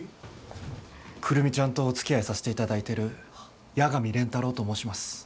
久留美ちゃんとおつきあいさせていただいてる八神蓮太郎と申します。